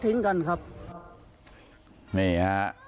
ทิ้งกันครับนี่ฮะ